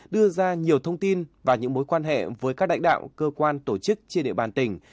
đưa ra nhiều thông tin và những mối quan hệ với các lãnh đạo cơ quan tổ chức trên địa bàn tỉnh